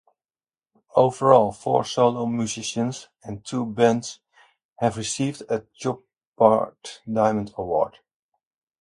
Overall, four solo musicians and two bands have received the Chopard Diamond award.